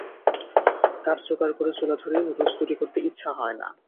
কাঠ জোগাড় করে চুলা ধরিয়ে নুডলস তৈরি করতে ইচ্ছা হয় না।